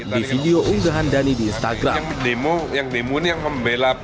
di video unggahan dhani di instagram